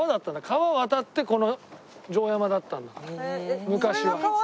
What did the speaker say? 川を渡ってこの城山だったんだ昔は。